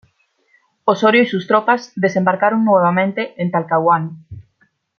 Osorio y sus tropas desembarcaron nuevamente en Talcahuano.